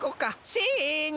せの！